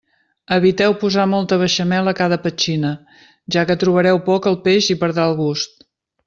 Eviteu posar molta beixamel a cada petxina, ja que trobareu poc el peix i perdrà el gust.